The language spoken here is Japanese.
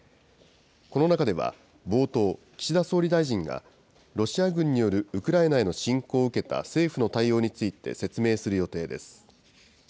この中では、冒頭、岸田総理大臣が、ロシア軍によるウクライナへの侵攻を受けた政府の対応について説明する予定です。